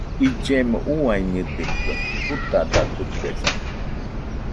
Illemo uiañedɨkue, jutadatɨkuesa.